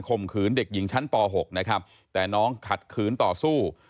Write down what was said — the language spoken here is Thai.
มขืนเด็กหญิงชั้นป๖นะครับแต่น้องขัดขืนต่อสู้